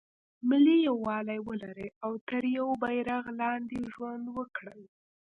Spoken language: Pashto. ملي یووالی ولري او تر یوه بیرغ لاندې ژوند وکړي.